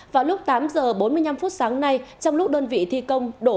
vào lúc tám giờ bốn mươi năm phút sáng nay trong lúc đơn vị thi công đổ